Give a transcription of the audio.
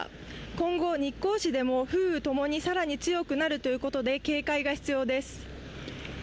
今後、日光市でも風雨ともに更に強くなるということで警戒が必要です。